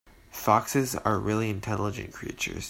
Foxes are really intelligent creatures.